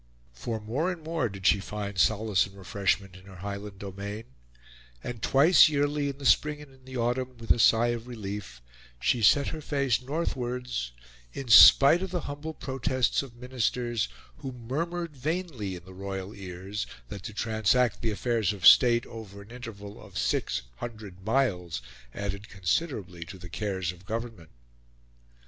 For more and more did she find solace and refreshment in her Highland domain; and twice yearly, in the spring and in the autumn, with a sigh of relief, she set her face northwards, in spite of the humble protests of Ministers, who murmured vainly in the royal ears that to transact the affairs of State over an interval of six hundred miles added considerably to the cares of government.